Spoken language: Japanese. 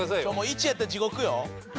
１やったら地獄よ。